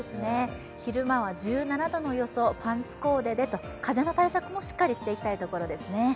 昼間は１７度の予想、パンツコーデでということで風の対策もしっかりしていきたいところですね。